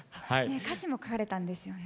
歌詞も書かれたんですよね。